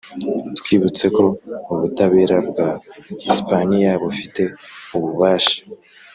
twibutse ko ubutabera bwa hisipaniya bufite ububasha